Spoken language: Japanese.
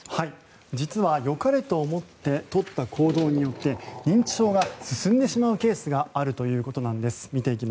実は、良かれと思ってとった行動によって認知症が進んでしまうケースがあるということです。